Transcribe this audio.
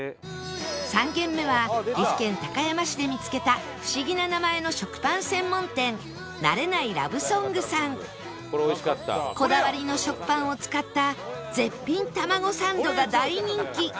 ３軒目は岐阜県高山市で見つけた不思議な名前のこだわりの食パンを使った絶品たまごサンドが大人気